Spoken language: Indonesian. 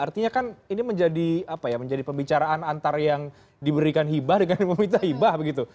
artinya kan ini menjadi apa ya menjadi pembicaraan antara yang diberikan hibah dengan yang meminta hibah begitu